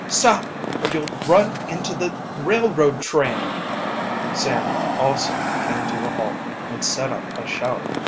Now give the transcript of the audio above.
Stop, or you'll run into the railroad train!" Sam also came to a halt and set up a shout.